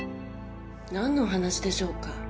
何のお話でしょうか？